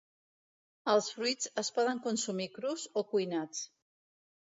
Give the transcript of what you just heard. Els fruits es poden consumir crus o cuinats.